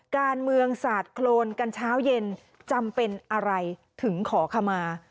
การเมืองสาดโครนกันเช้าเย็นจำเป็นอะไรถึงขอขมา